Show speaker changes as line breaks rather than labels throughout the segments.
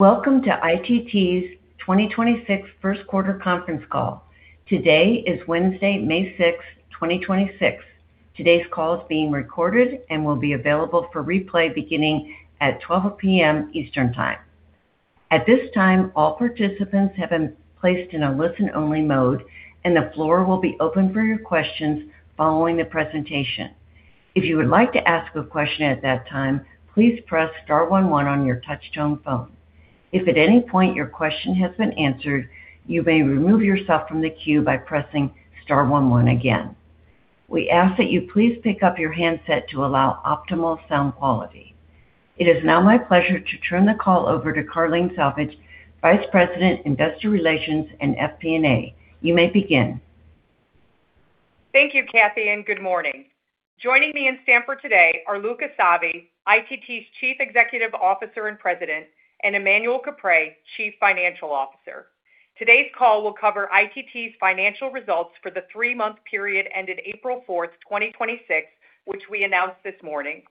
Welcome to ITT's 2026 Q1 conference call. Today is Wednesday, May 6th, 2026. Today's call is being recorded and will be available for replay beginning at 12:00 P.M. Eastern Time. At this time, all participants have been placed in a listen-only mode, and the floor will be open for your questions following the presentation. If you would like to ask a question at that time, please press star one one on your touchtone phone. If at any point your question has been answered, you may remove yourself from the queue by pressing star one one again. We ask that you please pick up your handset to allow optimal sound quality. It is now my pleasure to turn the call over to Carleen Salvage, Vice President, Investor Relations and FP&A. You may begin.
Thank you, Kathy, and good morning. Joining me in Stamford today are Luca Savi, ITT's Chief Executive Officer and President, and Emmanuel Caprais, Chief Financial Officer. Today's call will cover ITT's financial results for the three-month period ended April 4th 2026, which we announced this morning.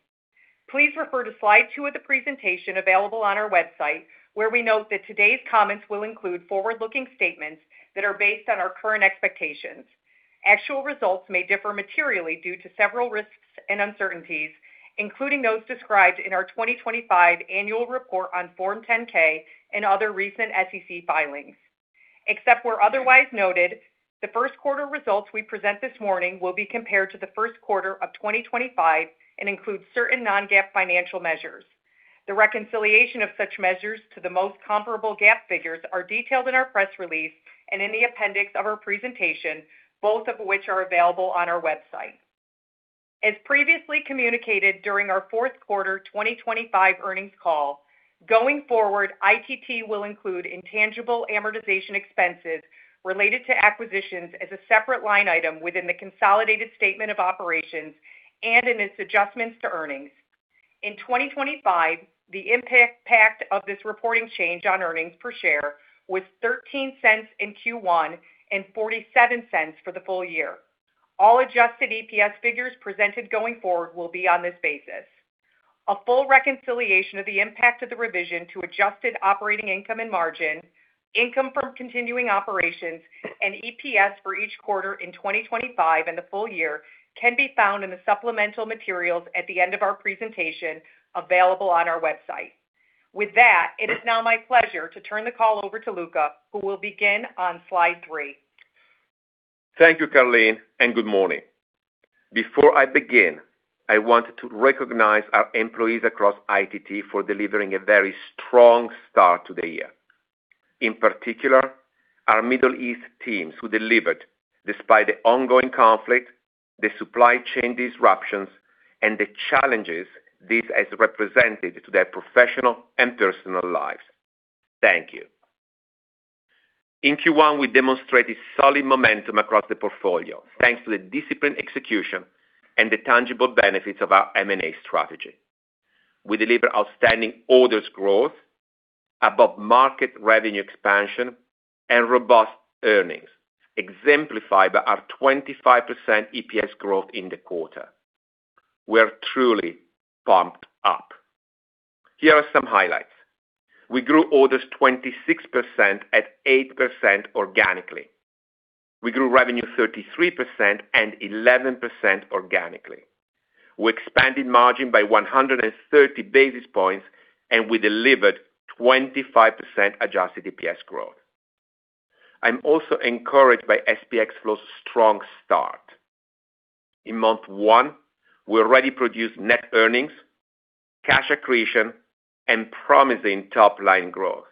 Please refer to slide two of the presentation available on our website, where we note that today's comments will include forward-looking statements that are based on our current expectations. Actual results may differ materially due to several risks and uncertainties, including those described in our 2025 annual report on Form 10-K and other recent SEC filings. Except where otherwise noted, the first quarter results we present this morning will be compared to the first quarter of 2025 and include certain non-GAAP financial measures. The reconciliation of such measures to the most comparable GAAP figures are detailed in our press release and in the appendix of our presentation, both of which are available on our website. As previously communicated during our fourth quarter 2025 earnings call, going forward, ITT will include intangible amortization expenses related to acquisitions as a separate line item within the consolidated statement of operations and in its adjustments to earnings. In 2025, the impact of this reporting change on earnings per share was $0.13 in Q1 and $0.47 for the full year. All adjusted EPS figures presented going forward will be on this basis. A full reconciliation of the impact of the revision to adjusted operating income and margin, income from continuing operations, and EPS for each quarter in 2025 and the full year can be found in the supplemental materials at the end of our presentation available on our website. It is now my pleasure to turn the call over to Luca, who will begin on slide three.
Thank you, Carleen, and good morning. Before I begin, I want to recognize our employees across ITT for delivering a very strong start to the year. In particular, our Middle East teams who delivered despite the ongoing conflict, the supply chain disruptions, and the challenges this has represented to their professional and personal lives. Thank you. In Q1, we demonstrated solid momentum across the portfolio, thanks to the disciplined execution and the tangible benefits of our M&A strategy. We delivered outstanding orders growth, above-market revenue expansion, and robust earnings, exemplified by our 25% EPS growth in the quarter. We are truly pumped up. Here are some highlights. We grew orders 26% at 8% organically. We grew revenue 33% and 11% organically. We expanded margin by 130 basis points. We delivered 25% adjusted EPS growth. I'm also encouraged by SPX FLOW's strong start. In month one, we already produced net earnings, cash accretion, and promising top-line growth.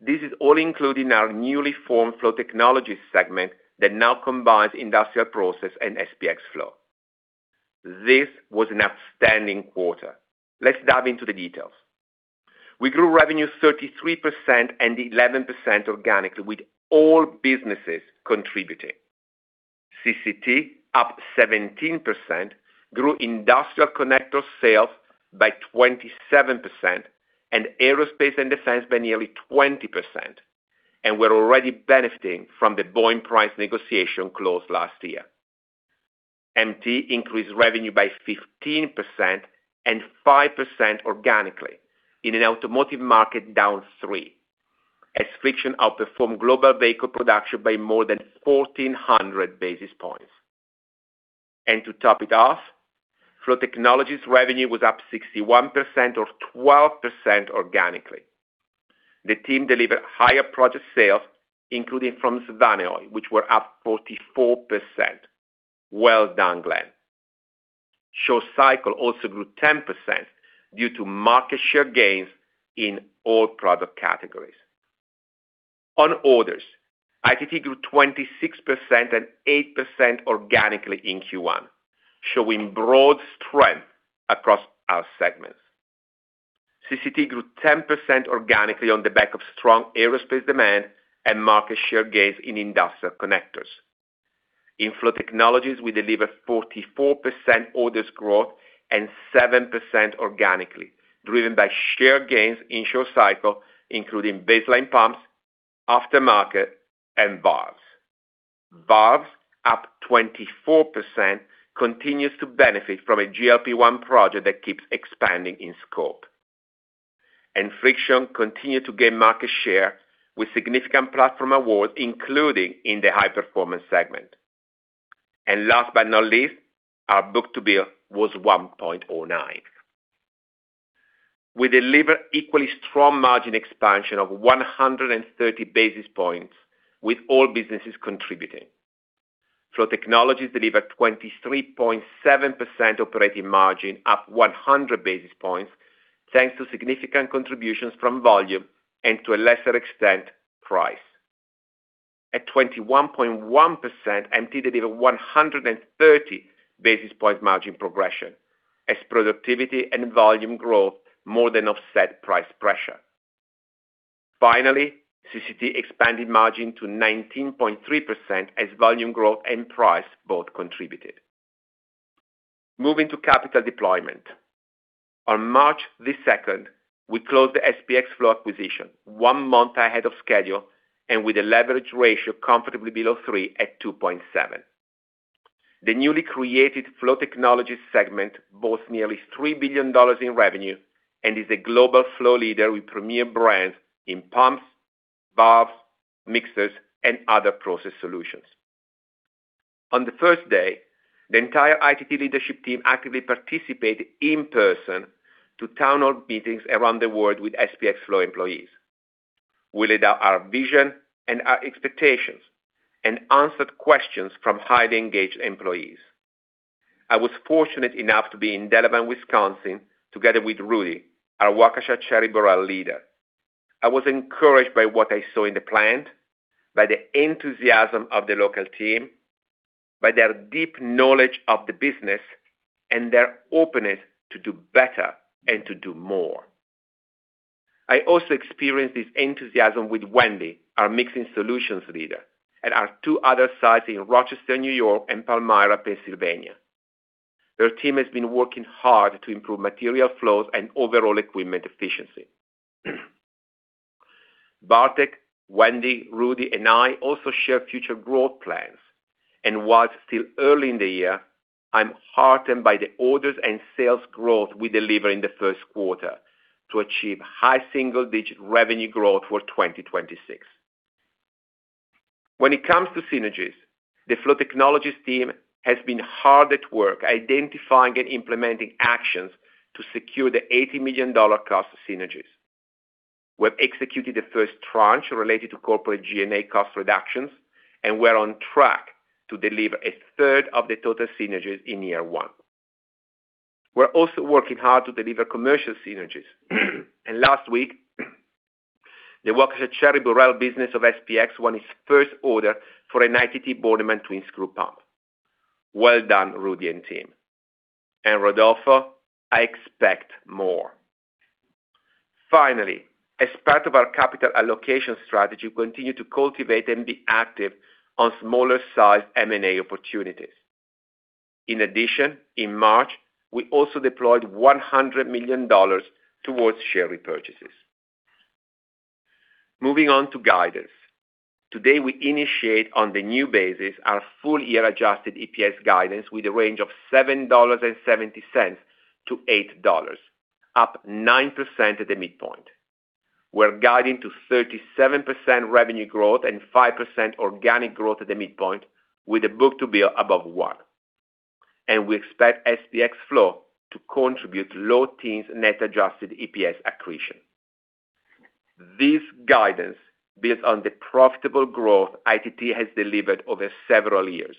This is all included in our newly formed Flow Technologies segment that now combines Industrial Process and SPX FLOW. This was an outstanding quarter. Let's dive into the details. We grew revenue 33% and 11% organically, with all businesses contributing. CCT, up 17%, grew Industrial Connector sales by 27% and Aerospace & Defense by nearly 20%. We're already benefiting from the Boeing price negotiation closed last year. MT increased revenue by 15% and 5% organically in an automotive market down 3% as friction outperformed global vehicle production by more than 1,400 basis points. To top it off, Flow Technologies revenue was up 61% or 12% organically. The team delivered higher project sales, including from Svanehøj, which were up 44%. Well done, Glenn. Short-Cycle also grew 10% due to market share gains in all product categories. On orders, ITT grew 26% and 8% organically in Q1, showing broad strength across our segments. CCT grew 10% organically on the back of strong aerospace demand and market share gains in Industrial Connectors. In Flow Technologies, we delivered 44% orders growth and 7% organically, driven by share gains in Short-Cycle, including baseline pumps, aftermarket, and valves, up 24%, continues to benefit from a GLP-1 project that keeps expanding in scope. Friction continued to gain market share with significant platform awards, including in the high-performance segment. Last but not least, our book-to-bill was 1.09. We delivered equally strong margin expansion of 130 basis points, with all businesses contributing. Flow Technologies delivered 23.7% operating margin, up 100 basis points, thanks to significant contributions from volume and, to a lesser extent, price. At 21.1%, MT delivered 130 basis point margin progression as productivity and volume growth more than offset price pressure. Finally, CCT expanded margin to 19.3% as volume growth and price both contributed. Moving to capital deployment. On March 2nd, we closed the SPX FLOW acquisition one month ahead of schedule and with a leverage ratio comfortably below three at 2.7. The newly created Flow Technologies segment boasts nearly $3 billion in revenue and is a global flow leader with premier brands in pumps, valves, mixers, and other process solutions. On the first day, the entire ITT leadership team actively participated in person to town hall meetings around the world with SPX FLOW employees. We laid out our vision and our expectations and answered questions from highly engaged employees. I was fortunate enough to be in Delavan, Wisconsin, together with Rudy, our Waukesha Cherry-Burrell leader. I was encouraged by what I saw in the plant, by the enthusiasm of the local team, by their deep knowledge of the business, and their openness to do better and to do more. I also experienced this enthusiasm with Wendy, our Mixing Solutions leader, at our two other sites in Rochester, New York, and Palmyra, Pennsylvania. Their team has been working hard to improve material flows and overall equipment efficiency. Bartek, Wendy, Rudy, and I also share future growth plans. While still early in the year, I'm heartened by the orders and sales growth we delivered in the first quarter to achieve high single-digit revenue growth for 2026. When it comes to synergies, the Flow Technologies team has been hard at work identifying and implementing actions to secure the $80 million cost synergies. We've executed the first tranche related to corporate G&A cost reductions, and we're on track to deliver a third of the total synergies in year one. We're also working hard to deliver commercial synergies. Last week, the Waukesha Cherry-Burrell business of SPX won its first order for an ITT Bornemann twin screw pump. Well done, Rudy and team. Rodolfo, I expect more. Finally, as part of our capital allocation strategy, we continue to cultivate and be active on smaller-sized M&A opportunities. In addition, in March, we also deployed $100 million towards share repurchases. Moving on to guidance. Today, we initiate on the new basis our full-year adjusted EPS guidance with a range of $7.70-$8.00, up 9% at the midpoint. We're guiding to 37% revenue growth and 5% organic growth at the midpoint with a book-to-bill above one. We expect SPX FLOW to contribute low teens net adjusted EPS accretion. This guidance builds on the profitable growth ITT has delivered over several years.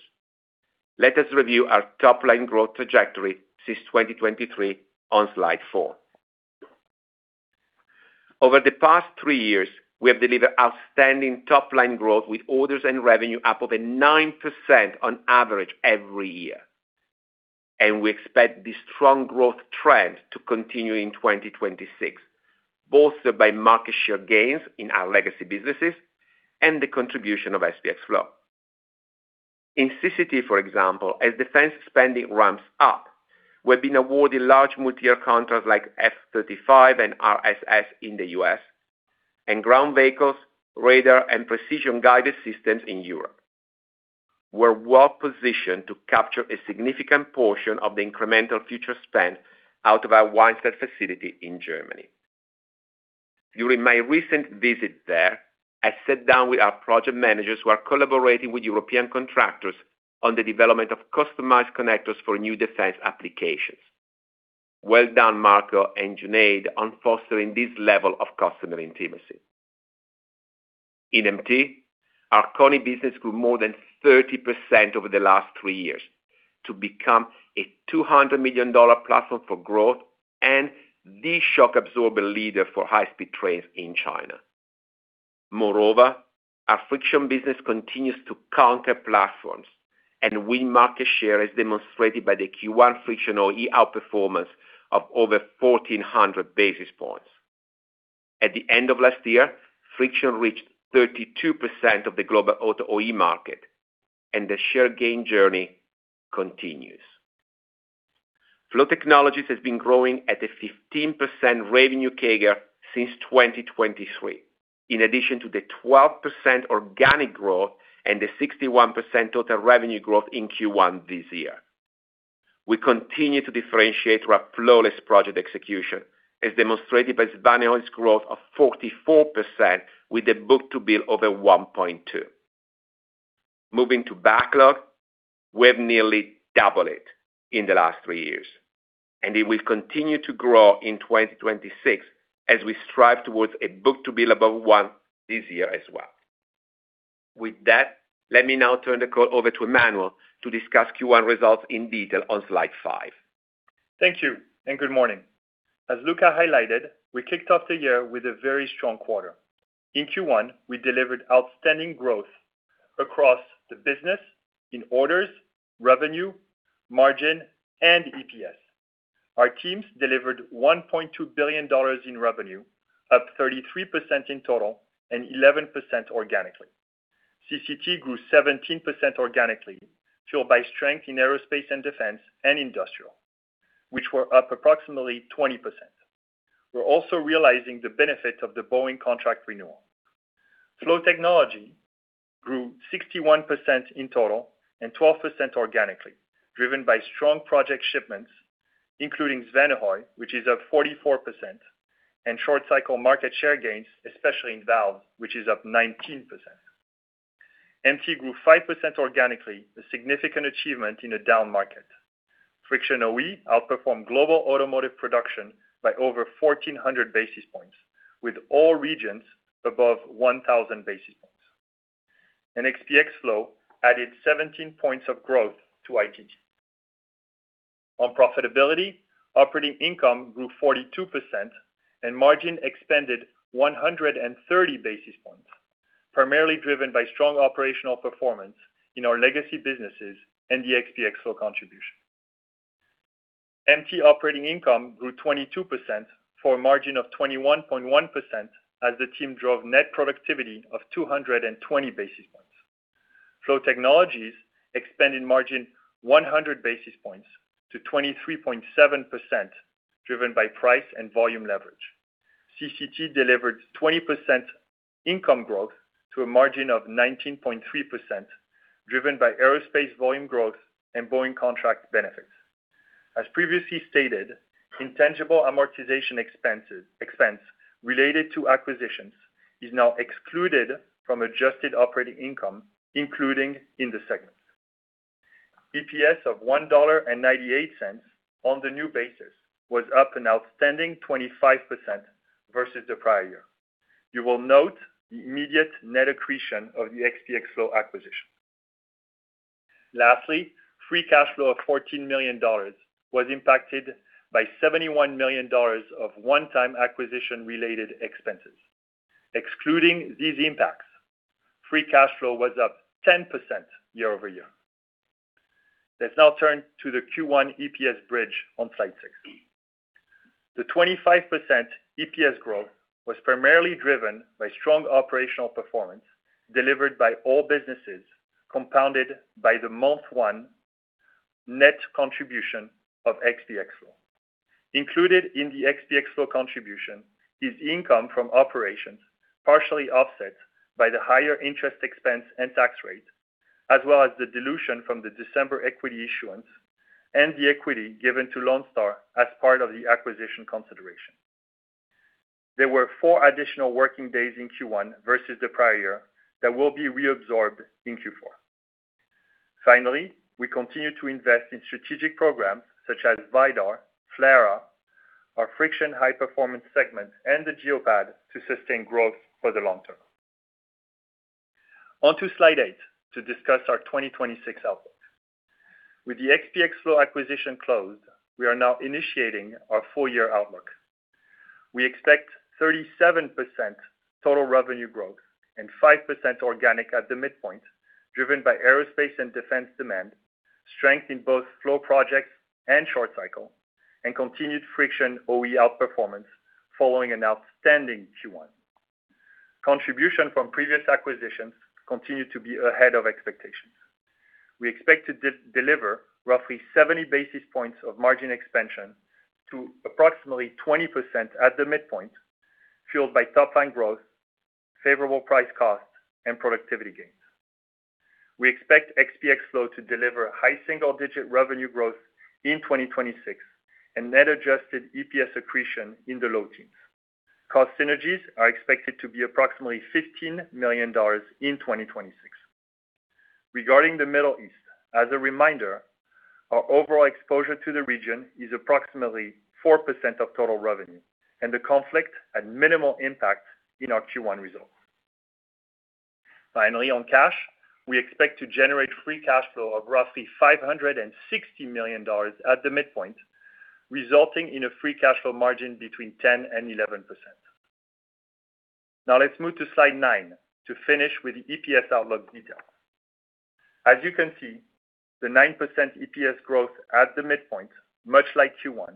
Let us review our top-line growth trajectory since 2023 on slide four. Over the past three years, we have delivered outstanding top-line growth with orders and revenue up over 9% on average every year. We expect this strong growth trend to continue in 2026, bolstered by market share gains in our legacy businesses and the contribution of SPX FLOW. In CCT, for example, as defense spending ramps up, we've been awarded large multi-year contracts like F-35 and RSS in the U.S. and ground vehicles, radar, and precision-guided systems in Europe. We're well-positioned to capture a significant portion of the incremental future spend out of our Weinstadt facility in Germany. During my recent visit there, I sat down with our project managers who are collaborating with European contractors on the development of customized connectors for new defense applications. Well done, Marco and Junaid, on fostering this level of customer intimacy. In MT, our KONI business grew more than 30% over the last three years to become a $200 million platform for growth and the shock absorber leader for high-speed trains in China. Our friction business continues to counter platforms and win market share, as demonstrated by the Q1 friction OE outperformance of over 1,400 basis points. At the end of last year, friction reached 32% of the global auto OE market, the share gain journey continues. Flow Technologies has been growing at a 15% revenue CAGR since 2023, in addition to the 12% organic growth and the 61% total revenue growth in Q1 this year. We continue to differentiate our flawless project execution, as demonstrated by Svanehøj's growth of 44% with the book-to-bill over 1.2. Moving to backlog, we have nearly doubled it in the last three years. It will continue to grow in 2026 as we strive towards a book-to-bill above one this year as well. With that, let me now turn the call over to Emmanuel to discuss Q1 results in detail on slide five.
Thank you and good morning. As Luca highlighted, we kicked off the year with a very strong quarter. In Q1, we delivered outstanding growth across the business in orders, revenue, margin, and EPS. Our teams delivered $1.2 billion in revenue, up 33% in total and 11% organically. CCT grew 17% organically, fueled by strength in Aerospace & Defense and Industrial, which were up approximately 20%. We're also realizing the benefit of the Boeing contract renewal. Flow Technologies grew 61% in total and 12% organically, driven by strong project shipments, including Svanehøj, which is up 44%, and short cycle market share gains, especially in valves, which is up 19%. MT grew 5% organically, a significant achievement in a down market. Friction OE outperformed global automotive production by over 1,400 basis points, with all regions above 1,000 basis points. SPX FLOW added 17 points of growth to ITT. On profitability, operating income grew 42% and margin expanded 130 basis points, primarily driven by strong operational performance in our legacy businesses and the SPX FLOW contribution. MT operating income grew 22% for a margin of 21.1% as the team drove net productivity of 220 basis points. Flow Technologies expanded margin 100 basis points to 23.7%, driven by price and volume leverage. CCT delivered 20% income growth to a margin of 19.3%, driven by aerospace volume growth and Boeing contract benefits. As previously stated, intangible amortization expense related to acquisitions is now excluded from adjusted operating income, including in the segments. EPS of $1.98 on the new basis was up an outstanding 25% versus the prior year. You will note the immediate net accretion of the SPX FLOW acquisition. Lastly, free cash flow of $14 million was impacted by $71 million of one-time acquisition-related expenses. Excluding these impacts, free cash flow was up 10% year-over-year. Let's now turn to the Q1 EPS bridge on slide six. The 25% EPS growth was primarily driven by strong operational performance delivered by all businesses, compounded by the month one net contribution of SPX FLOW. Included in the SPX FLOW contribution is income from operations partially offset by the higher interest expense and tax rate, as well as the dilution from the December equity issuance and the equity given to Lone Star as part of the acquisition consideration. There were four additional working days in Q1 versus the prior year that will be reabsorbed in Q4. Finally, we continue to invest in strategic programs such as VIDAR, FLRAA, our friction high-performance segment, and the Geo-Pad to sustain growth for the long term. On to slide eighth to discuss our 2026 outlook. With the SPX FLOW acquisition closed, we are now initiating our full year outlook. We expect 37% total revenue growth and 5% organic at the midpoint, driven by Aerospace & Defense demand, strength in both flow projects and Short-Cycle, and continued friction OE outperformance following an outstanding Q1. Contribution from previous acquisitions continue to be ahead of expectations. We expect to deliver roughly 70 basis points of margin expansion to approximately 20% at the midpoint, fueled by top line growth, favorable price costs, and productivity gains. We expect SPX FLOW to deliver high single-digit revenue growth in 2026 and net adjusted EPS accretion in the low teens. Cost synergies are expected to be approximately $15 million in 2026. Regarding the Middle East, as a reminder, our overall exposure to the region is approximately 4% of total revenue, and the conflict had minimal impact in our Q1 results. Finally, on cash, we expect to generate free cash flow of roughly $560 million at the midpoint, resulting in a free cash flow margin between 10% and 11%. Let's move to slide nine to finish with the EPS outlook detail. As you can see, the 9% EPS growth at the midpoint, much like Q1,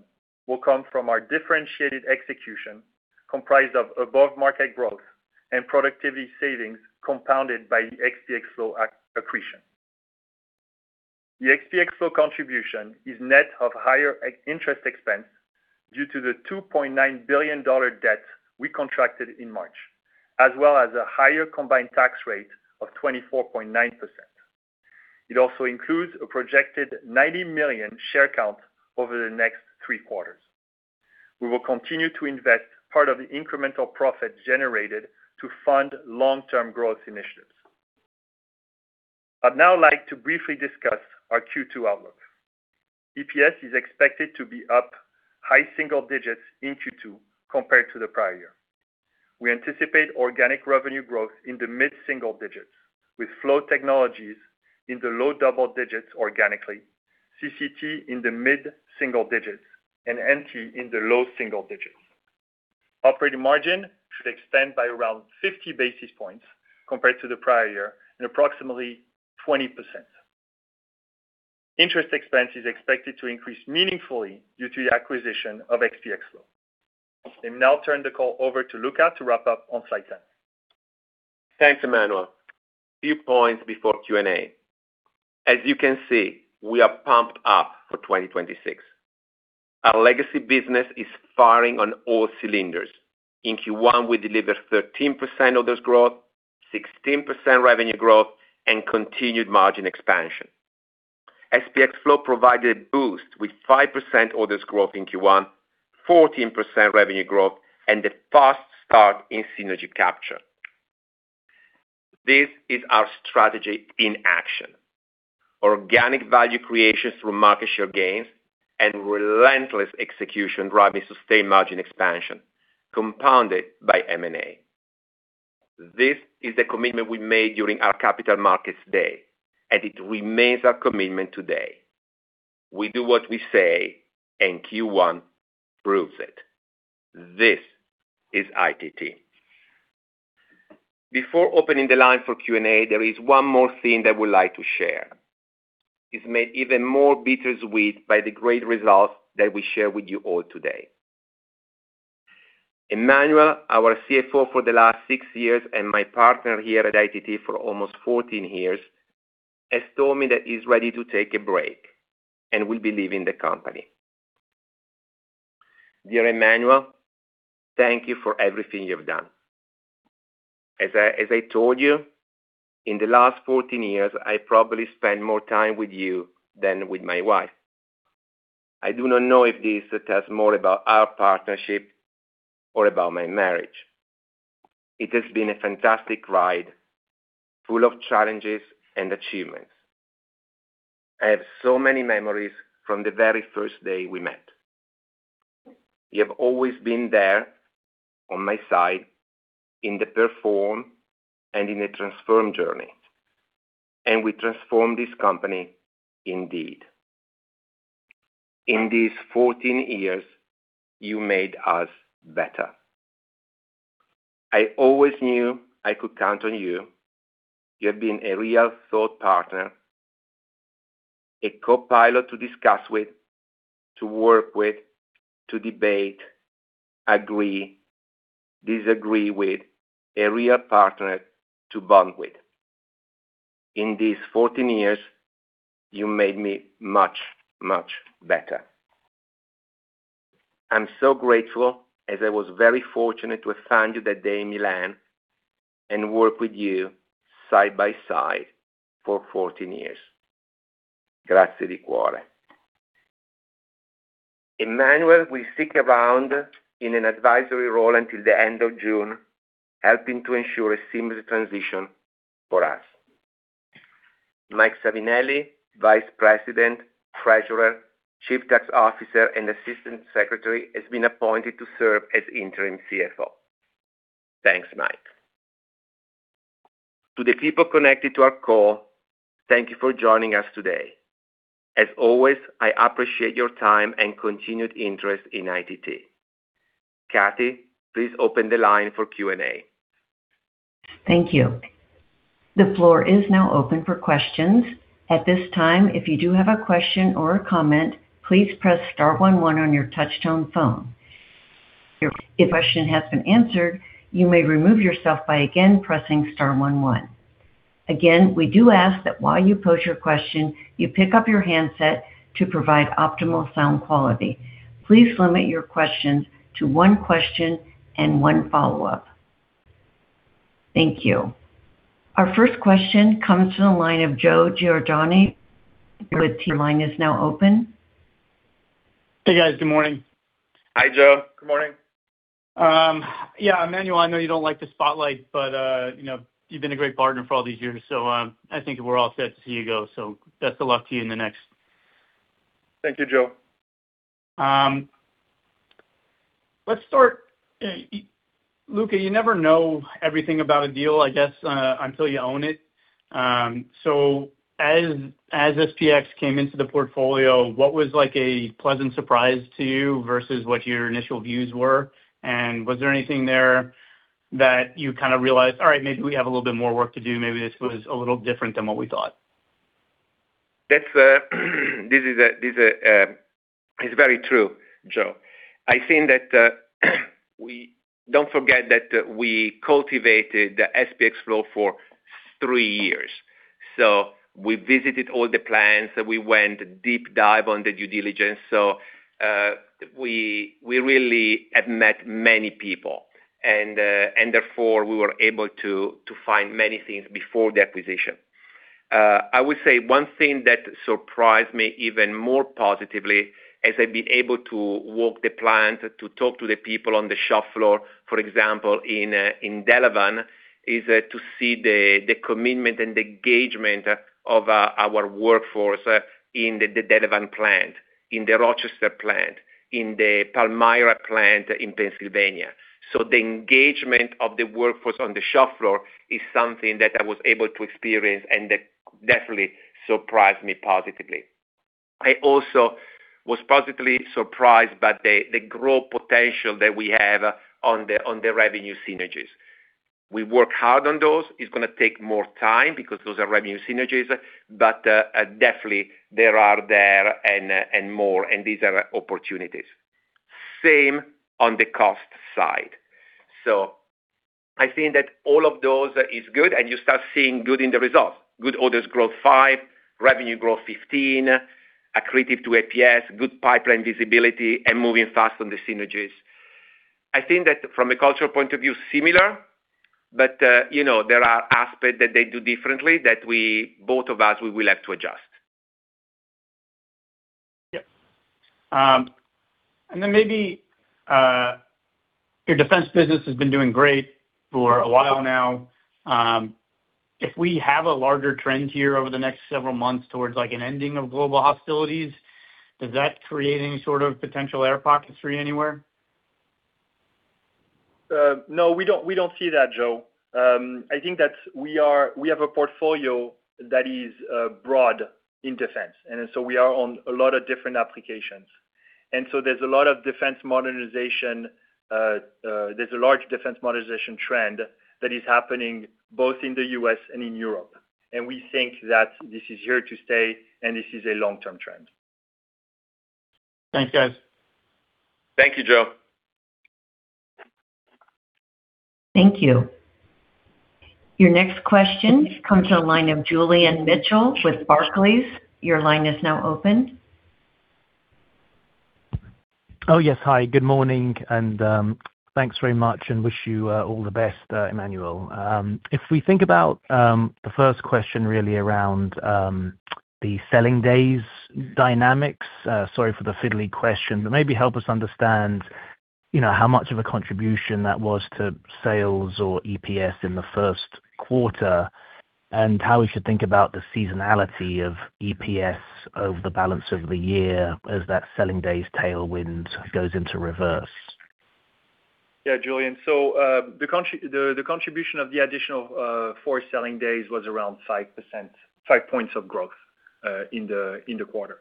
will come from our differentiated execution comprised of above-market growth and productivity savings compounded by the SPX FLOW accretion. The SPX FLOW contribution is net of higher ex-interest expense due to the $2.9 billion debt we contracted in March, as well as a higher combined tax rate of 24.9%. It also includes a projected 90 million share count over the next three quarters. We will continue to invest part of the incremental profit generated to fund long-term growth initiatives. I'd now like to briefly discuss our Q2 outlook. EPS is expected to be up high single digits in Q2 compared to the prior year. We anticipate organic revenue growth in the mid-single digits with Flow Technologies in the low double digits organically, CCT in the mid-single digits, and MT in the low single digits. Operating margin should extend by around 50 basis points compared to the prior year, and approximately 20%. Interest expense is expected to increase meaningfully due to the acquisition of SPX FLOW. I'll now turn the call over to Luca to wrap up on slide 10.
Thanks, Emmanuel. Few points before Q&A. As you can see, we are pumped up for 2026. Our legacy business is firing on all cylinders. In Q1, we delivered 13% orders growth, 16% revenue growth, and continued margin expansion. SPX FLOW provided a boost with 5% orders growth in Q1, 14% revenue growth, and a fast start in synergy capture. This is our strategy in action. Organic value creation through market share gains and relentless execution driving sustained margin expansion compounded by M&A. This is the commitment we made during our Capital Markets Day. It remains our commitment today. We do what we say. Q1 proves it. This is ITT. Before opening the line for Q&A, there is one more thing that I would like to share. It's made even more bittersweet by the great results that we share with you all today. Emmanuel, our CFO for the last six years and my partner here at ITT for almost 14 years, has told me that he's ready to take a break and will be leaving the company. Dear Emmanuel, thank you for everything you've done. As I told you, in the last 14 years, I probably spent more time with you than with my wife. I do not know if this says more about our partnership or about my marriage. It has been a fantastic ride, full of challenges and achievements. I have so many memories from the very first day we met. You have always been there on my side in the perform and in the transform journey, and we transformed this company indeed. In these 14 years, you made us better. I always knew I could count on you. You have been a real thought partner, a co-pilot to discuss with, to work with, to debate, agree, disagree with, a real partner to bond with. In these 14 years, you made me much, much better. I'm so grateful as I was very fortunate to have found you that day in Milan and work with you side by side for 14 years. Emmanuel will stick around in an advisory role until the end of June, helping to ensure a seamless transition for us. Michael Savinelli, Vice President, Treasurer, Chief Tax Officer, and Assistant Secretary, has been appointed to serve as interim CFO. Thanks, Mike. To the people connected to our call, thank you for joining us today. As always, I appreciate your time and continued interest in ITT. Kathy, please open the line for Q&A.
Thank you. The floor is now open for questions. At this time, if you do have a question or a comment, please press star one one on your touchtone phone. If your question has been answered, you may remove yourself by again pressing star one one. Again, we do ask that while you pose your question, you pick up your handset to provide optimal sound quality. Please limit your questions to one question and one follow-up. Thank you. Our first question comes from the line of Joe Giordano. Your line is now open.
Hey, guys. Good morning.
Hi, Joe. Good morning.
Yeah, Emmanuel, I know you don't like the spotlight, you know, you've been a great partner for all these years, I think we're all sad to see you go. Best of luck to you in the next.
Thank you, Joe.
Let's start. Luca, you never know everything about a deal, I guess, until you own it. As SPX came into the portfolio, what was like a pleasant surprise to you versus what your initial views were? Was there anything there that you kind of realized, all right, maybe we have a little bit more work to do. Maybe this was a little different than what we thought.
That's, this is very true, Joe Giordano. I think that, don't forget that we cultivated the SPX FLOW for three years. We visited all the plants, we went deep dive on the due diligence. We really have met many people and, therefore, we were able to find many things before the acquisition. I would say one thing that surprised me even more positively as I've been able to walk the plant, to talk to the people on the shop floor, for example, in Delavan, is to see the commitment and engagement of our workforce in the Delavan plant, in the Rochester plant, in the Palmyra plant in Pennsylvania. The engagement of the workforce on the shop floor is something that I was able to experience, and that definitely surprised me positively. I also was positively surprised by the growth potential that we have on the revenue synergies. We work hard on those. It's going to take more time because those are revenue synergies, but definitely they are there and more, and these are opportunities. Same on the cost side. I think that all of those is good, and you start seeing good in the results. Good orders growth 5%, revenue growth 15%, accretive to EPS, good pipeline visibility, and moving fast on the synergies. I think that from a cultural point of view, similar, but, you know, there are aspects that they do differently that both of us, we will have to adjust.
Yeah. Then maybe, your Defense business has been doing great for a while now. If we have a larger trend here over the next several months towards like an ending of global hostilities, does that create any sort of potential air pockets for you anywhere?
No, we don't, we don't see that, Joe. I think that we have a portfolio that is broad in Defense, and so we are on a lot of different applications. There's a lot of defense modernization. There's a large defense modernization trend that is happening both in the U.S. and in Europe. We think that this is here to stay, and this is a long-term trend.
Thanks, guys.
Thank you, Joe.
Thank you. Your next question comes from the line of Julian Mitchell with Barclays. Your line is now open.
Oh, yes. Hi, good morning, and thanks very much, and wish you all the best, Emmanuel. If we think about the first question really around the selling days dynamics, sorry for the fiddly question, but maybe help us understand, you know, how much of a contribution that was to sales or EPS in the first quarter, and how we should think about the seasonality of EPS over the balance of the year as that selling days tailwind goes into reverse.
Yeah, Julian. The contribution of the additional four selling days was around 5%, 5 points of growth in the quarter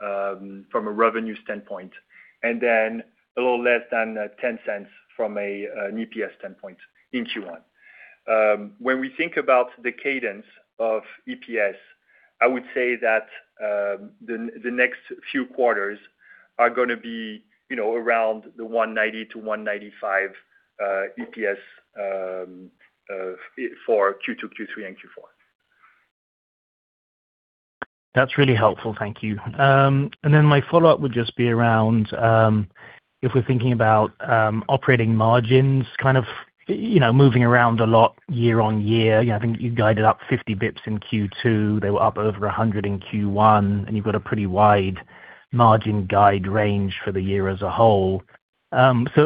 from a revenue standpoint, and then a little less than $0.10 from an EPS standpoint in Q1. When we think about the cadence of EPS, I would say that the next few quarters are gonna be, you know, around the $1.90 to $1.95 EPS for Q2, Q3, and Q4.
That's really helpful. Thank you. Then my follow-up would just be around, if we're thinking about operating margins kind of, you know, moving around a lot year-on-year. You know, I think you guided up 50 basis points in Q2. They were up over 100 in Q1, and you've got a pretty wide margin guide range for the year as a whole.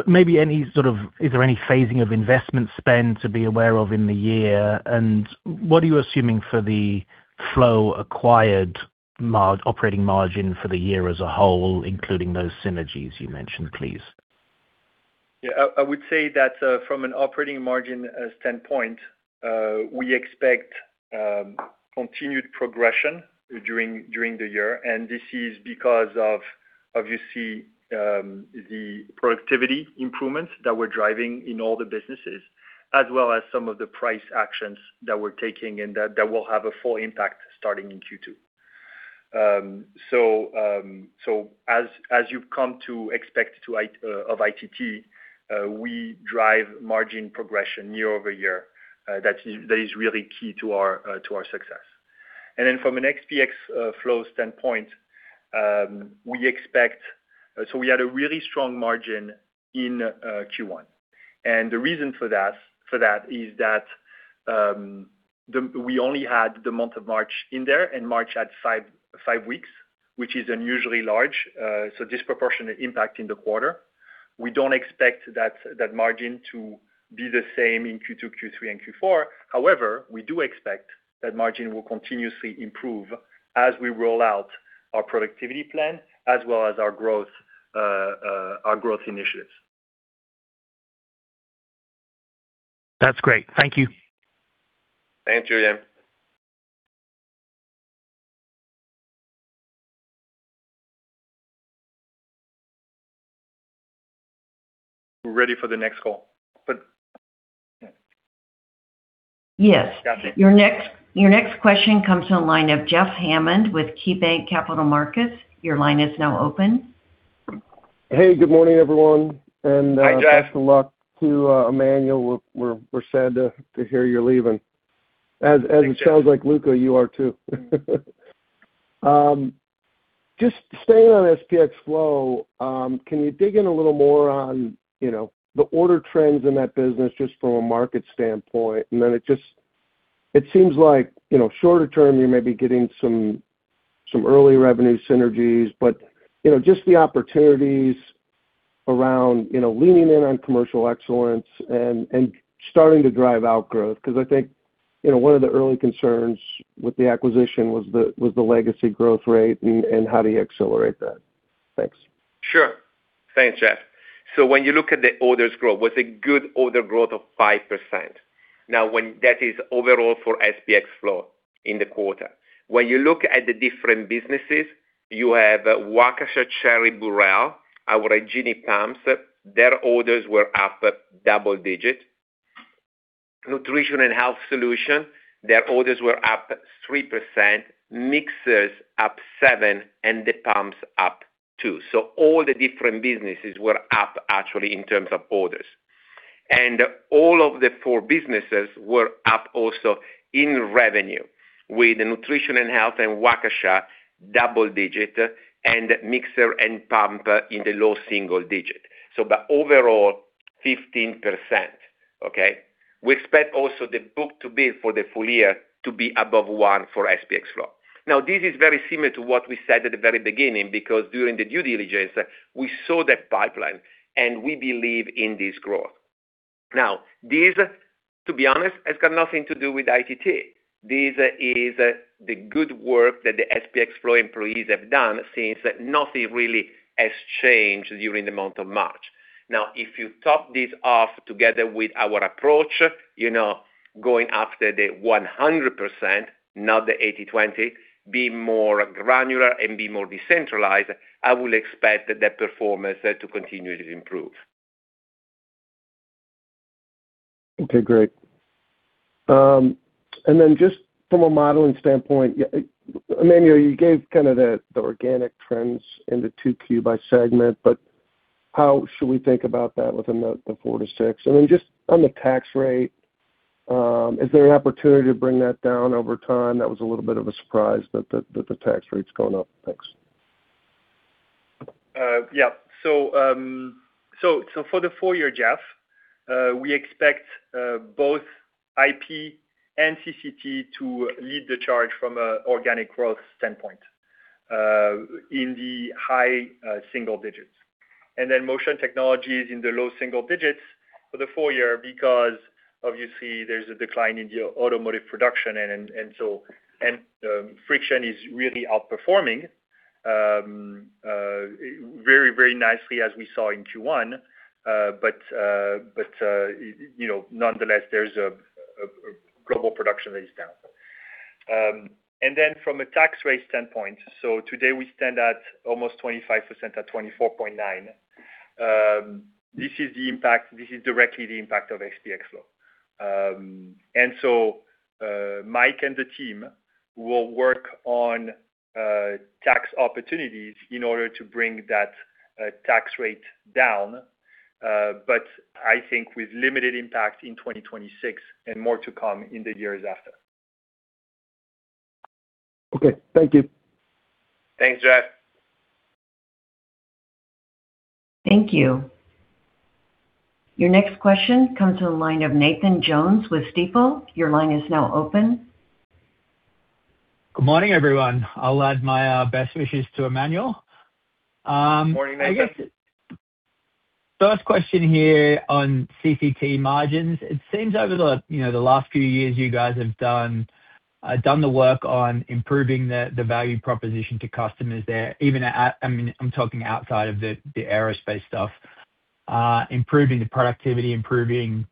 Maybe is there any phasing of investment spend to be aware of in the year? What are you assuming for the Flow acquired operating margin for the year as a whole, including those synergies you mentioned, please?
Yeah. I would say that from an operating margin standpoint, we expect continued progression during the year, and this is because of obviously, the productivity improvements that we're driving in all the businesses, as well as some of the price actions that we're taking, and that will have a full impact starting in Q2. As you've come to expect of ITT, we drive margin progression year-over-year. That is really key to our success. From an SPX FLOW standpoint, we expect we had a really strong margin in Q1. The reason for that is that we only had the month of March in there, March had five weeks, which is unusually large, so disproportionate impact in the quarter. We don't expect that margin to be the same in Q2, Q3, and Q4. However, we do expect that margin will continuously improve as we roll out our productivity plan as well as our growth initiatives.
That's great. Thank you.
Thanks, Julian. We're ready for the next call.
Yes.
Got it.
Your next question comes to the line of Jeff Hammond with KeyBanc Capital Markets. Your line is now open.
Hey, good morning, everyone.
Hi, Jeff.
Best of luck to Emmanuel. We're sad to hear you're leaving. As it sounds like, Luca, you are too. Just staying on SPX FLOW, can you dig in a little more on, you know, the order trends in that business just from a market standpoint? Then it seems like, you know, shorter term, you may be getting some early revenue synergies, but, you know, just the opportunities around, you know, leaning in on commercial excellence and starting to drive outgrowth. I think, you know, one of the early concerns with the acquisition was the legacy growth rate and how do you accelerate that? Thanks.
Sure. Thanks, Jeff. When you look at the orders growth, was a good order growth of 5%. Now, when that is overall for SPX FLOW in the quarter. When you look at the different businesses, you have Waukesha Cherry-Burrell, our engineered pumps, their orders were up double-digit. Nutrition and Health Solution, their orders were up 3%, Mixers up seven, and the pumps up two. All the different businesses were up actually in terms of orders. And all of the four businesses were up also in revenue, with the Nutrition and Health and Waukesha double-digit, and Mixer and pump in the low single-digit. Overall, 15%, okay? We expect also the book-to-bill for the full year to be above one for SPX FLOW. This is very similar to what we said at the very beginning because during the due diligence, we saw that pipeline, and we believe in this growth. This, to be honest, has got nothing to do with ITT. This is the good work that the SPX FLOW employees have done since nothing really has changed during the month of March. If you top this off together with our approach, you know, going after the 100%, not the 80/20, be more granular and be more decentralized, I will expect the performance to continue to improve.
Okay, great. Just from a modeling standpoint, Emmanuel, you gave kind of the organic trends in 2Q by segment, but how should we think about that within the four to six? Just on the tax rate, is there an opportunity to bring that down over time? That was a little bit of a surprise that the tax rate's going up. Thanks.
For the full year, Jeff, we expect both IP and CCT to lead the charge from a organic growth standpoint in the high single digits. Motion Technologies is in the low single digits for the full year because obviously there's a decline in the automotive production and friction is really outperforming very, very nicely as we saw in Q1. You know, nonetheless, there's a global production that is down. From a tax rate standpoint, today we stand at almost 25% at 24.9%. This is the impact, this is directly the impact of SPX FLOW. Mike and the team will work on tax opportunities in order to bring that tax rate down, but I think with limited impact in 2026 and more to come in the years after.
Okay. Thank you.
Thanks, Jeff.
Thank you. Your next question comes to the line of Nathan Jones with Stifel. Your line is now open.
Good morning, everyone. I'll add my best wishes to Emmanuel.
Morning, Nathan.
First question here on CCT margins. It seems over the, you know, last few years, you guys have done the work on improving the value proposition to customers there. I mean, I'm talking outside of the aerospace stuff. Improving the productivity, improving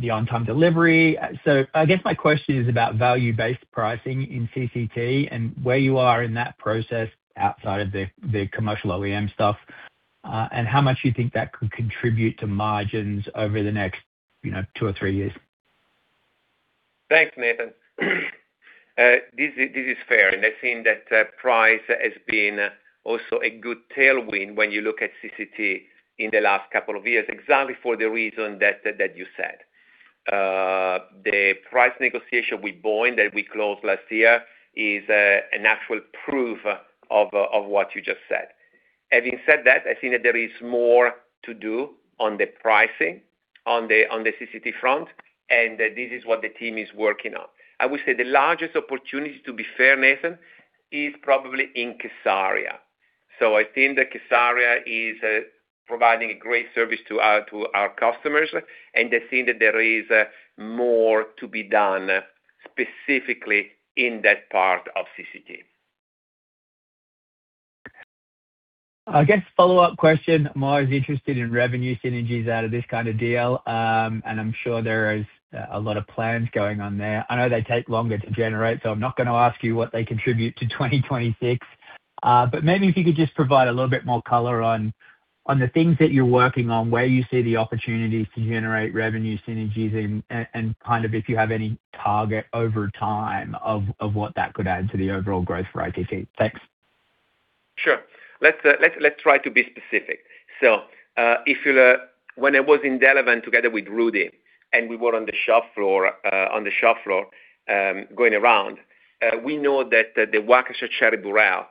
the on-time delivery. I guess my question is about value-based pricing in CCT and where you are in that process outside of the commercial OEM stuff, and how much do you think that could contribute to margins over the next, you know, two or three years?
Thanks, Nathan. This is fair. I think that price has been also a good tailwind when you look at CCT in the last couple of years, exactly for the reason that you said. The price negotiation with Boeing that we closed last year is an actual proof of what you just said. Having said that, I think that there is more to do on the pricing on the CCT front, this is what the team is working on. I would say the largest opportunity, to be fair, Nathan, is probably in Casaria. I think that Casaria is providing a great service to our customers, I think that there is more to be done specifically in that part of CCT.
I guess, follow-up question. I'm always interested in revenue synergies out of this kind of deal. I'm sure there is a lot of plans going on there. I know they take longer to generate, I'm not gonna ask you what they contribute to 2026. Maybe if you could just provide a little bit more color on the things that you're working on, where you see the opportunities to generate revenue synergies and kind of if you have any target over time of what that could add to the overall growth for ITT. Thanks.
Sure. Let's try to be specific. When I was in Delevan together with Rudy, and we were on the shop floor, going around, we know that the Waukesha Cherry-Burrell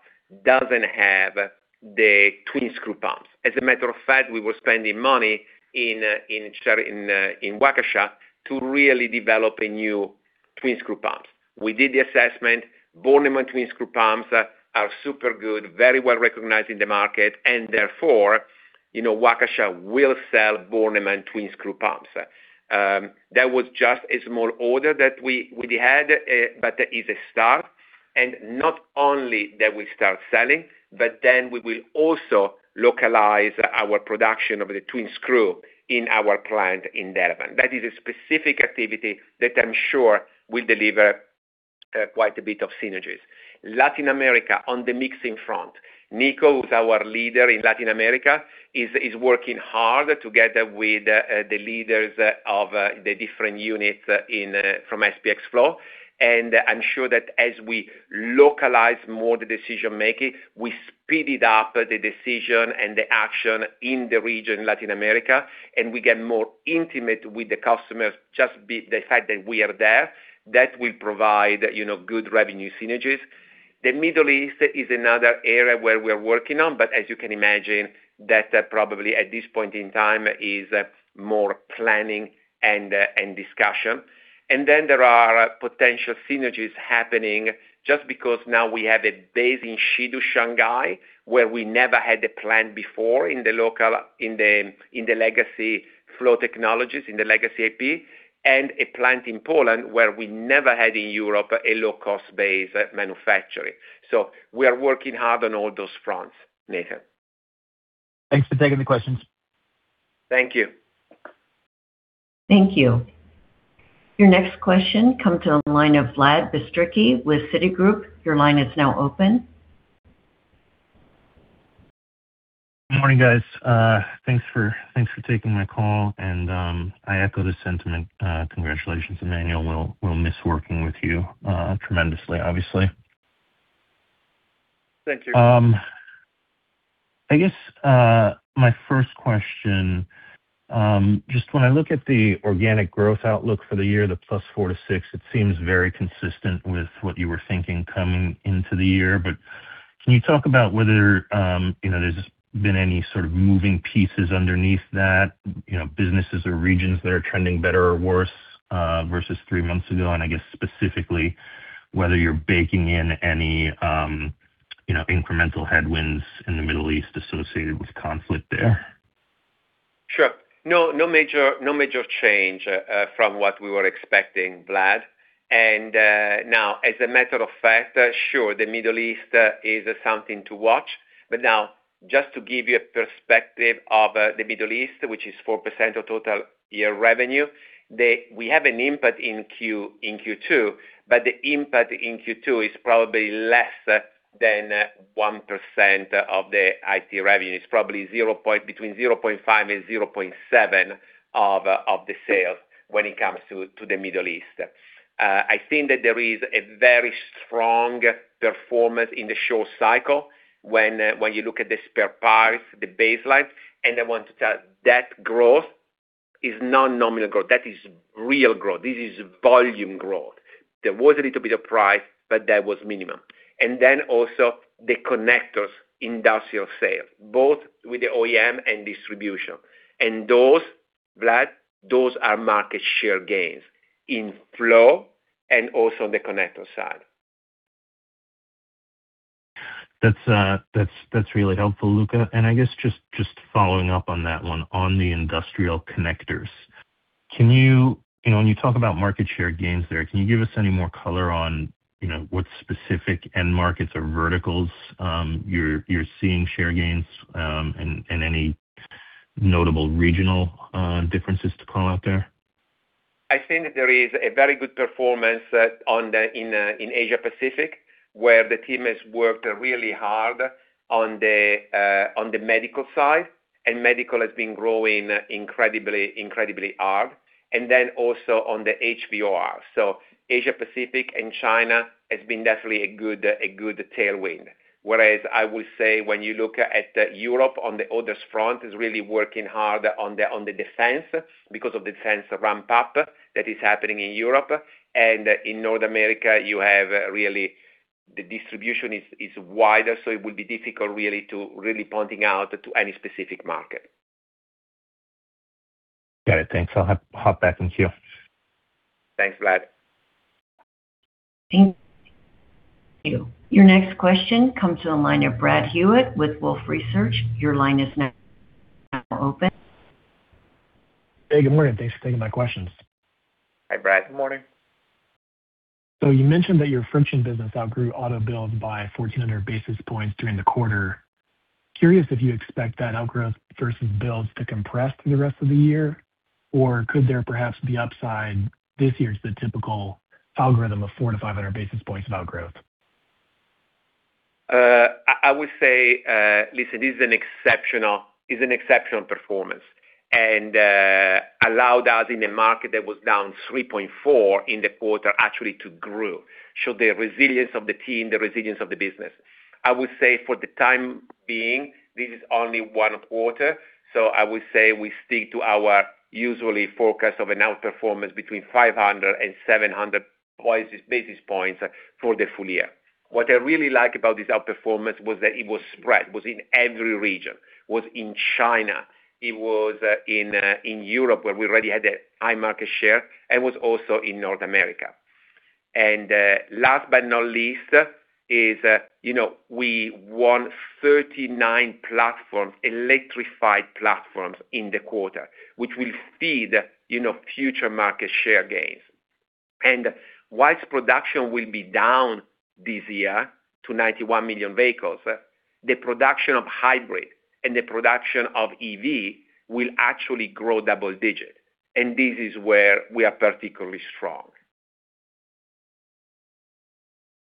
doesn't have the twin screw pumps. As a matter of fact, we were spending money in Waukesha Cherry, to really develop a new twin screw pumps. We did the assessment. Bornemann twin screw pumps are super good, very well recognized in the market, therefore, you know, Waukesha will sell Bornemann twin screw pumps. That was just a small order that we had, it's a start. Not only that we start selling, we will also localize our production of the twin screw in our plant in Delevan. That is a specific activity that I'm sure will deliver quite a bit of synergies. Latin America, on the mixing front, Nico, who's our leader in Latin America, is working hard together with the leaders of the different units from SPX FLOW. I'm sure that as we localize more the decision-making, we speed it up the decision and the action in the region, Latin America, and we get more intimate with the customers just be the fact that we are there. That will provide, you know, good revenue synergies. The Middle East is another area where we're working on, but as you can imagine, that probably at this point in time is more planning and discussion. There are potential synergies happening just because now we have a base in Xidu, Shanghai, where we never had a plant before in the local, in the legacy Flow Technologies, in the legacy AP, and a plant in Poland, where we never had in Europe a low-cost base manufacturing. We are working hard on all those fronts, Nathan.
Thanks for taking the questions.
Thank you.
Thank you. Your next question comes to the line of Vladimir Bystricky with Citigroup. Your line is now open.
Morning, guys. Thanks for taking my call. I echo the sentiment, congratulations, Emmanuel. We'll miss working with you, tremendously, obviously.
Thank you.
I guess my first question, just when I look at the organic growth outlook for the year, the +4% to +6%, it seems very consistent with what you were thinking coming into the year. Can you talk about whether there's been any sort of moving pieces underneath that, businesses or regions that are trending better or worse, versus three months ago? I guess specifically, whether you're baking in any incremental headwinds in the Middle East associated with conflict there.
Sure. No, no major, no major change from what we were expecting, Vladimir Bystricky. Now, as a matter of fact, sure, the Middle East is something to watch. Now just to give you a perspective of the Middle East, which is 4% of total year revenue, we have an input in Q, in Q2, but the input in Q2 is probably less than 1% of the ITT revenue. It's probably between 0.5 and 0.7 of the sales when it comes to the Middle East. I think that there is a very strong performance in the Short-Cycle when you look at the spare parts, the baseline, I want to tell that growth is not nominal growth. That is real growth. This is volume growth. There was a little bit of price, but that was minimum. The connectors industrial sales, both with the OEM and distribution, those, Vlad, those are market share gains in Flow and also on the Connector side.
That's really helpful, Luca. I guess just following up on that one on the Industrial Connectors. You know, when you talk about market share gains there, can you give us any more color on, you know, what specific end markets or verticals, you're seeing share gains, and any notable regional differences to call out there?
I think that there is a very good performance on the in Asia Pacific, where the team has worked really hard on the medical side. Medical has been growing incredibly hard. Also on the HVOR. Asia Pacific and China has been definitely a good tailwind. Whereas I would say when you look at Europe on the others front, is really working hard on the defense because of the defense ramp up that is happening in Europe. In North America, you have really the distribution is wider, so it will be difficult to really pointing out to any specific market.
Got it. Thanks. I'll hop back in queue.
Thanks, Vlad.
Thank you. Your next question comes to the line of Brad Hewitt with Wolfe Research. Your line is now open.
Hey, good morning. Thanks for taking my questions.
Hi, Brad.
Good morning.
You mentioned that your friction business outgrew auto build by 1,400 basis points during the quarter. Curious if you expect that outgrowth versus builds to compress through the rest of the year, or could there perhaps be upside this year to the typical algorithm of 400 basis points-500 basis points of outgrowth?
I would say, listen, this is an exceptional performance and allowed us in a market that was down 3.4 in the quarter actually to grow. Show the resilience of the team, the resilience of the business. I would say for the time being, this is only 1/4. I would say we stick to our usually forecast of an outperformance between 500 basis points and 700 basis points for the full year. What I really like about this outperformance was that it was spread, it was in every region. It was in China, it was in Europe, where we already had a high market share, and was also in North America. Last but not least is, you know, we won 39 platforms, electrified platforms in the quarter, which will speed, you know, future market share gains. Whilst production will be down this year to 91 million vehicles, the production of hybrid and the production of EV will actually grow double digits, and this is where we are particularly strong.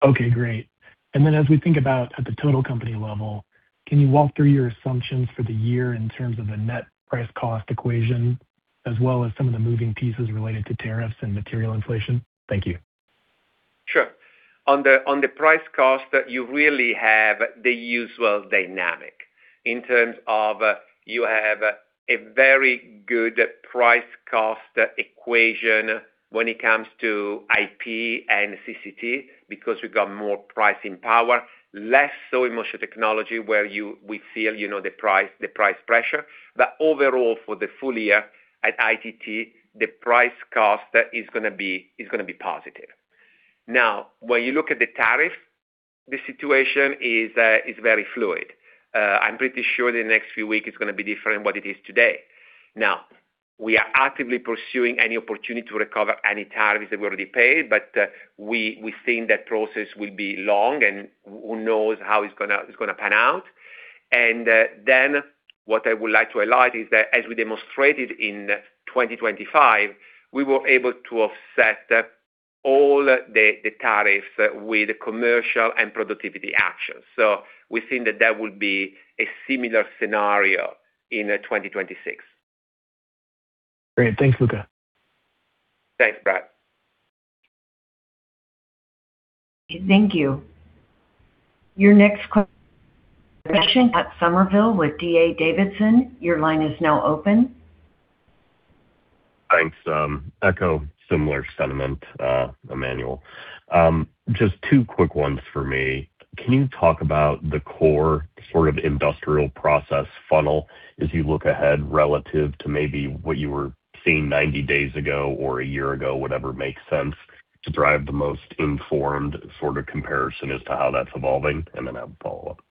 Okay, great. As we think about at the total company level, can you walk through your assumptions for the year in terms of the net price cost equation as well as some of the moving pieces related to tariffs and material inflation? Thank you.
Sure. On the price cost, you really have the usual dynamic in terms of you have a very good price cost equation when it comes to IP and CCT, because we've got more pricing power, less so in Motion Technologies where we feel, you know, the price pressure. Overall, for the full year at ITT, the price cost is gonna be positive. When you look at the tariff, the situation is very fluid. I'm pretty sure the next few weeks it's gonna be different what it is today. We are actively pursuing any opportunity to recover any tariffs that we already paid, but we think that process will be long and who knows how it's gonna pan out. What I would like to highlight is that as we demonstrated in 2025, we were able to offset all the tariffs with commercial and productivity actions. We think that that will be a similar scenario in 2026.
Great. Thanks, Luca.
Thanks, Brad.
Thank you. Your next question comes from Matt Summerville with D.A. Davidson, your line is now open.
Thanks. Echo similar sentiment, Emmanuel. Just two quick ones for me. Can you talk about the core sort of Industrial Process funnel as you look ahead relative to maybe what you were seeing 90 days ago or a year ago, whatever makes sense to drive the most informed sort of comparison as to how that's evolving? I have a follow-up.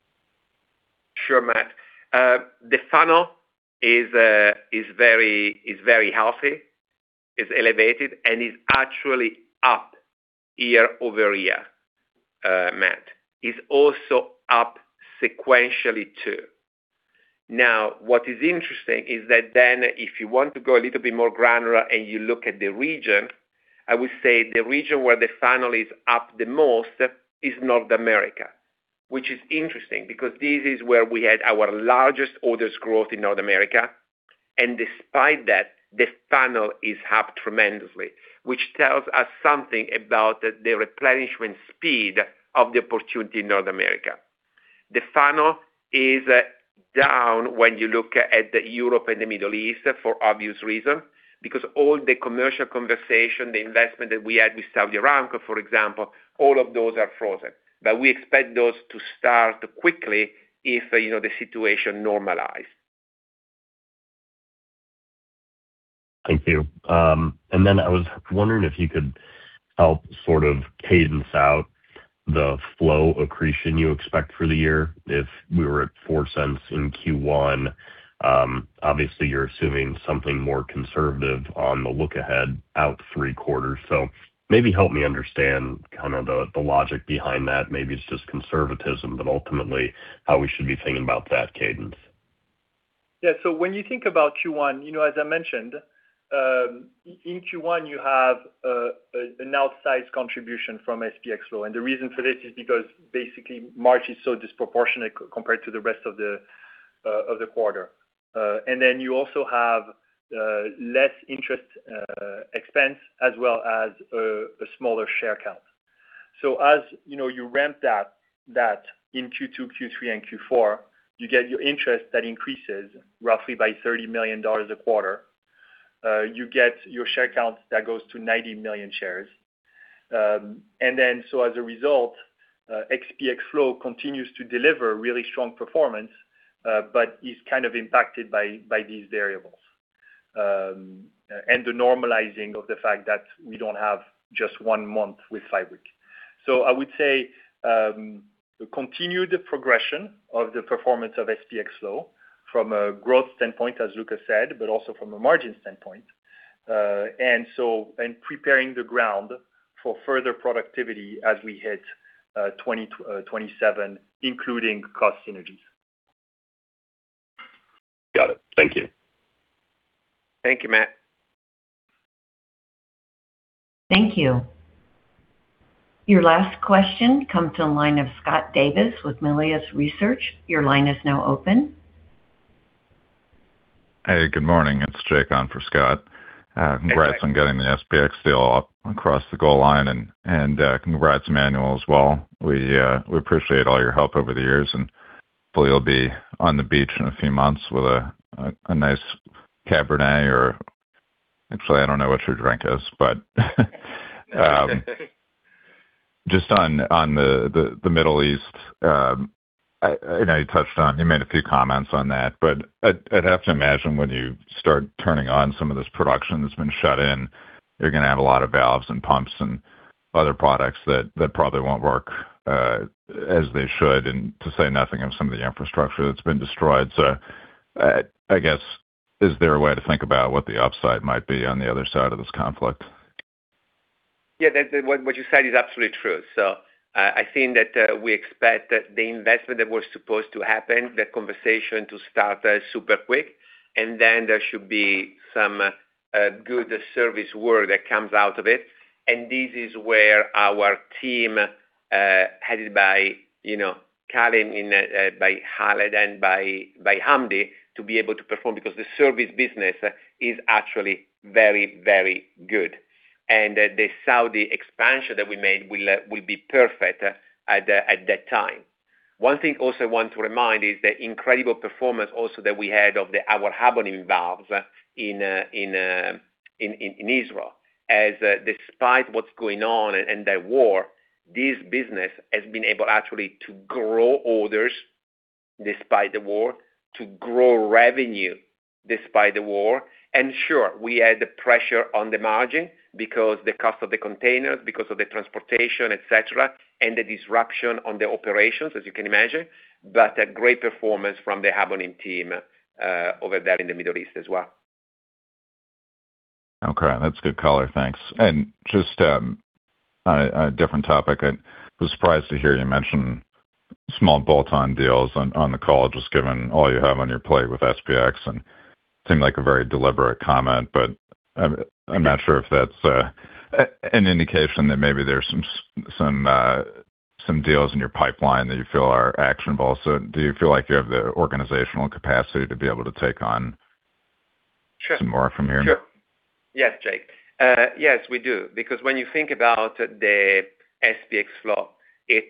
Sure, Matt. The funnel is very healthy, is elevated, and is actually up year-over-year, Matt. It's also up sequentially too. What is interesting is that if you want to go a little bit more granular and you look at the region, I would say the region where the funnel is up the most is North America. Which is interesting because this is where we had our largest orders growth in North America. Despite that, this funnel is up tremendously, which tells us something about the replenishment speed of the opportunity in North America. The funnel is down when you look at Europe and the Middle East for obvious reasons, because all the commercial conversation, the investment that we had with Saudi Aramco, for example, all of those are frozen. We expect those to start quickly if, you know, the situation normalize.
Thank you. I was wondering if you could help sort of cadence out the Flow accretion you expect for the year. If we were at $0.04 in Q1, obviously you're assuming something more conservative on the look ahead out three quarters. Maybe help me understand kind of the logic behind that. Maybe it's just conservatism, ultimately how we should be thinking about that cadence.
Yeah. When you think about Q1, you know, as I mentioned, in Q1, you have an outsized contribution from SPX FLOW. The reason for this is because basically March is so disproportionate compared to the rest of the quarter. Then you also have less interest expense as well as a smaller share count. As, you know, you ramp that in Q2, Q3, and Q4, you get your interest that increases roughly by $30 million a quarter. You get your share count that goes to 90 million shares. As a result, SPX FLOW continues to deliver really strong performance, but is kind of impacted by these variables and the normalizing of the fact that we don't have just one month with five weeks. I would say, we continue the progression of the performance of SPX FLOW from a growth standpoint, as Luca said, but also from a margin standpoint. Preparing the ground for further productivity as we hit 2027, including cost synergies.
Got it. Thank you.
Thank you, Matt.
Thank you. Your last question comes to the line of Scott Davis with Melius Research. Your line is now open.
Hey, good morning. It's Jake on for Scott.
Yes.
Congrats on getting the SPX deal across the goal line and, congrats, Emmanuel, as well. We appreciate all your help over the years, and hopefully you'll be on the beach in a few months with a nice Cabernet or actually, I don't know what your drink is, but. Just on the Middle East, you made a few comments on that, but I'd have to imagine when you start turning on some of this production that's been shut in, you're gonna add a lot of valves and pumps and other products that probably won't work as they should, and to say nothing of some of the infrastructure that's been destroyed. I guess, is there a way to think about what the upside might be on the other side of this conflict?
Yeah. What you said is absolutely true. I think that we expect that the investment that was supposed to happen, the conversation to start super quick, and then there should be some good service work that comes out of it. This is where our team, headed by, you know, Kalim in, by Khaled and by Hamdi to be able to perform because the service business is actually very, very good. The Saudi expansion that we made will be perfect at that time. One thing I also want to remind is the incredible performance also that we had of our Habonim valves in Israel. As, despite what's going on and the war, this business has been able actually to grow orders despite the war, to grow revenue despite the war. Sure, we had the pressure on the margin because the cost of the containers, because of the transportation, et cetera, and the disruption on the operations, as you can imagine. A great performance from the Habonim team over there in the Middle East as well.
Okay. That's a good color. Thanks. Just on a different topic, I was surprised to hear you mention small bolt-on deals on the call, just given all you have on your plate with SPX and seemed like a very deliberate comment, but I'm not sure if that's an indication that maybe there's some deals in your pipeline that you feel are actionable. Do you feel like you have the organizational capacity to be able to take on those?
Sure
some more from here?
Sure. Yes, Jake. Yes, we do. When you think about the SPX FLOW,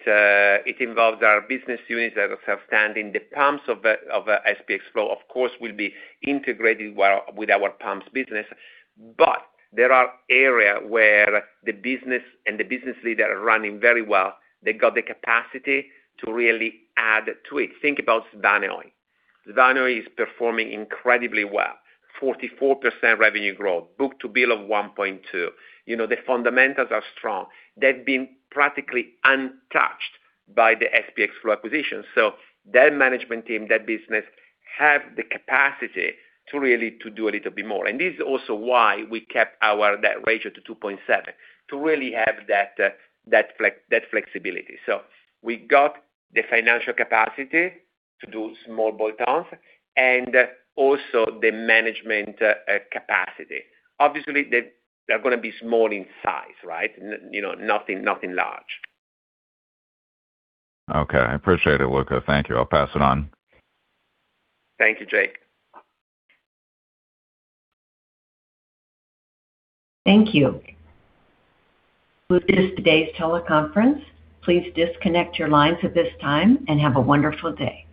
it involves our business units that are self-standing. The pumps of SPX FLOW, of course, will be integrated well with our pumps business. There are area where the business and the business leader are running very well. They got the capacity to really add to it. Think about Svanehøj. Svanehøj is performing incredibly well, 44% revenue growth, book-to-bill of 1.2. You know, the fundamentals are strong. They've been practically untouched by the SPX FLOW acquisition. That management team, that business have the capacity to really do a little bit more. This is also why we kept that ratio to 2.7, to really have that flex, that flexibility. We got the financial capacity to do small bolt-ons and also the management capacity. Obviously, they're gonna be small in size, right? You know, nothing large.
Okay. I appreciate it, Luca. Thank you. I'll pass it on.
Thank you, Jake.
Thank you. This is today's teleconference. Please disconnect your lines at this time and have a wonderful day.